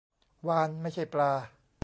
วาฬ ไม่ใช่ปลา